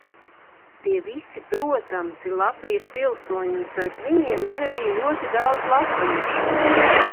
Tie visi, protams, ir Latvijas pilsoņi, un starp viņiem ir arī ļoti daudz latviešu.